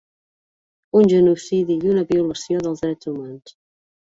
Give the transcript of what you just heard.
Un genocidi i una violació dels Drets Humans.